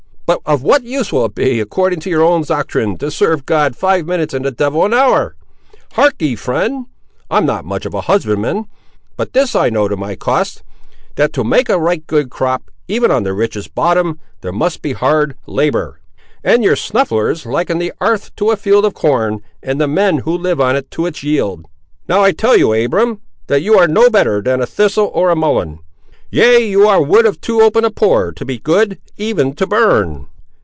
But of what use will it be, according to your own doctrine, to serve God five minutes and the devil an hour? Harkee, friend; I'm not much of a husband man, but this I know to my cost; that to make a right good crop, even on the richest bottom, there must be hard labour; and your snufflers liken the 'arth to a field of corn, and the men, who live on it, to its yield. Now I tell you, Abiram, that you are no better than a thistle or a mullin; yea, ye ar' wood of too open a pore to be good even to burn!"